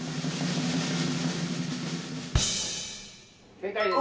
正解です。